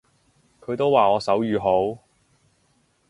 佢都話我手語好